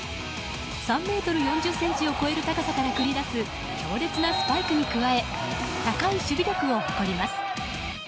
３ｍ４０ｃｍを超える高さから繰り出す強烈なスパイクに加え高い守備力を誇ります。